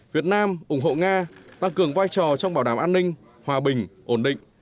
việt nam ủng hộ nga tăng cường vai trò trong bảo đảm an ninh hòa bình ổn định